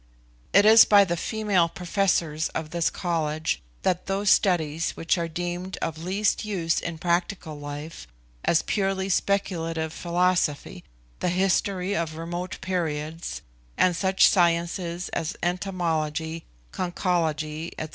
It is by the female Professors of this College that those studies which are deemed of least use in practical life as purely speculative philosophy, the history of remote periods, and such sciences as entomology, conchology, &c.